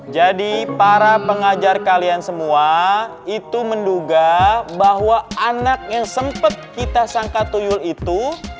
jadi para pengajar kalian semua itu menduga bahwa anak yang sempet kita sangka tuyul itu